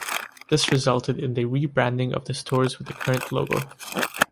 This resulted in the re-branding of the stores with the current logo.